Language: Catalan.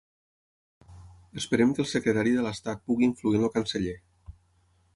Esperem que el secretari de l'estat pugui influir en el canceller.